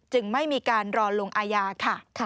จึงไม่มีการรอนลงอายาค่ะ